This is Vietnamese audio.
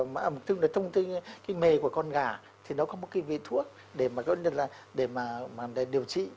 một thứ là thông tin cái mề của con gà thì nó có một cái vị thuốc để mà điều trị